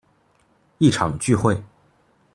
一場聚會